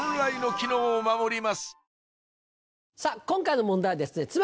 今回の問題はですね